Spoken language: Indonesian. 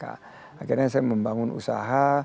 akhirnya saya membangun usaha